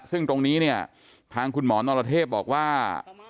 ซึ่งตรงนี้เนี่ยทางคุณหมอนรเทพบอกว่า